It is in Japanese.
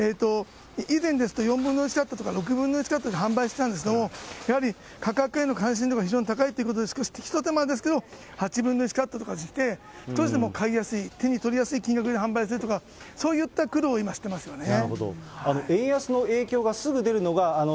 以前ですと４分の１カットとか６分の１カットで販売してたんですけど、やはり価格への関心度が非常に高いということで、少しひと手間ですけれども、８分の１カットとかにして、少しでも買いやすい、手に取りやすい販売するとか、そういった苦労を今してますよね。